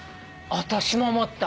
私も思った。